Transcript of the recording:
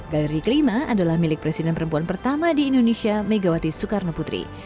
galeri kelima adalah milik presiden perempuan pertama di indonesia megawati soekarno putri